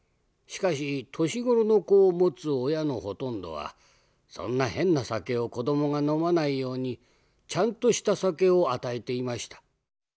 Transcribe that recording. しかし年頃の子をもつ親のほとんどはそんな変な酒を子どもが飲まないようにちゃんとした酒を与えていました。